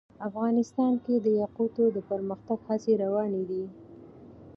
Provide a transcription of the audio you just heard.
افغانستان کې د یاقوت د پرمختګ هڅې روانې دي.